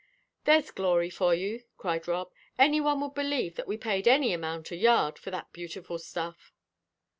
"There's glory for you!" cried Rob. "Anyone would believe that we paid any amount a yard for that beautiful stuff."